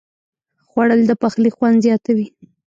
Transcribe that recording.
خوړل د پخلي خوند زیاتوي